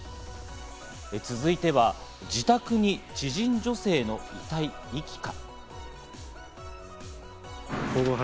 続いては自宅に知人女性の遺体遺棄か。